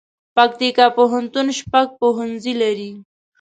پکتیکا پوهنتون شپږ پوهنځي لري